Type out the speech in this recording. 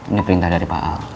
ini perintah dari pak ahok